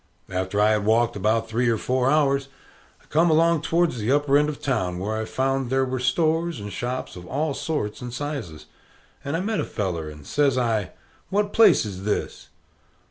After I had walked about three or four hours, I come along towards the upper end of the town, where I found there were stores and shops of all sorts and sizes. And I met a feller, and says I, "What place is this?"